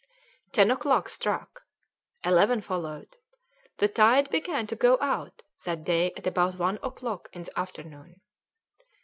Ten o'clock struck. Eleven followed. The tide began to go out that day at about one o'clock in the afternoon.